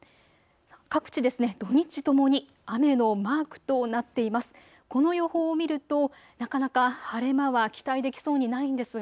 各地、土日とも雨のマークとなっています。